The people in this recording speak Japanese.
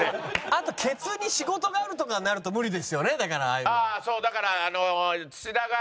あとケツに仕事があるとかになると無理ですよねだからああいうのは。